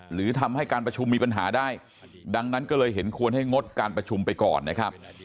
หรือทำให้การประชุมมีปัญหาได้ดังนั้นก็เลยเห็นควรให้งดการประชุมไปก่อนนะครับ